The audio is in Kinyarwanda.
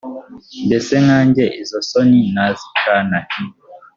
mbese nkanjye izo soni nazicana he.